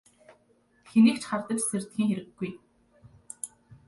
Хэнийг ч хардаж сэрдэхийн хэрэггүй.